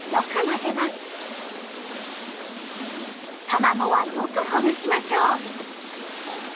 たまごはよくほぐしましょう。